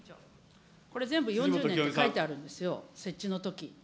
これ、全部４０年って書いてあるんですよ、設置のとき。